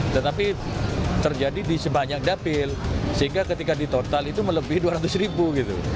tetapi terjadi di sebanyak dapil sehingga ketika di total itu melebihi dua ratus ribu gitu